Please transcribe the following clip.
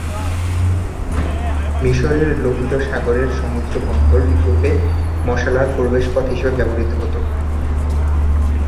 মিশরের লোহিত সাগরের সমুদ্রবন্দর ইউরোপে মশলার প্রবেশপথ হিসেবে ব্যবহৃত হতো।